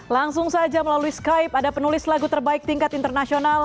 langsung saja melalui skype ada penulis lagu terbaik tingkat internasional